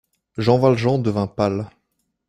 Jean Valjean devint pâle.